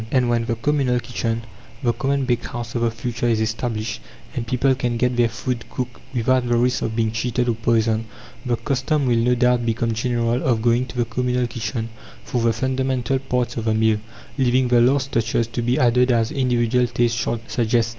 And when the communal kitchen the common bakehouse of the future is established, and people can get their food cooked without the risk of being cheated or poisoned, the custom will no doubt become general of going to the communal kitchen for the fundamental parts of the meal, leaving the last touches to be added as individual taste shall suggest.